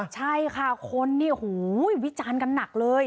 ใช่ค่ะคนวิจารณ์กันหนักเลย